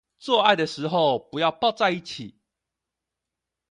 做愛的時候不要抱在一起